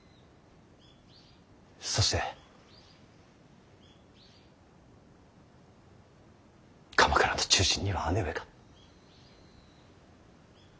そして鎌倉の中心には姉上が。